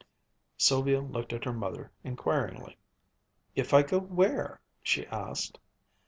Sylvia looked at her mother inquiringly. "If I go where?" she asked.